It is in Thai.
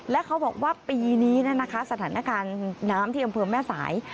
และเขาบอกว่าปีนี้สถานการณ์น้ำที่อำเภอแม่สาย